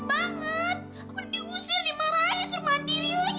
aku udah diusir nih marah aja turun mandiri lagi